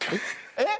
えっ？